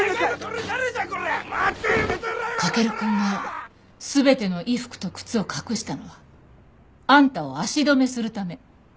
駆くんが全ての衣服と靴を隠したのはあんたを足止めするため。